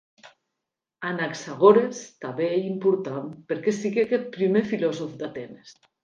Anaxagores tanben ei important perque siguec eth prumèr filosòf d'Atenes.